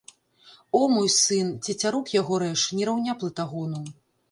О, мой сын, цецярук яго рэж, не раўня плытагону.